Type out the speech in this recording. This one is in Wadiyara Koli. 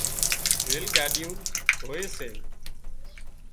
ريل ڳاڏيون هوئي سي